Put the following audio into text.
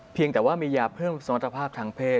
เพียงแต่ว่ามียาเพิ่มสมรรถภาพทางเพศ